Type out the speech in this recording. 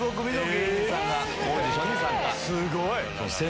すごい。